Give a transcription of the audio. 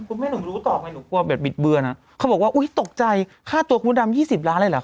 อือไม่หนูรู้ตอบไงหนูกลัวแบบบิดเบื่อนนะเขาบอกว่าอุ๊ยตกใจฆ่าตัวคุณดำ๒๐ล้านอะไรล่ะ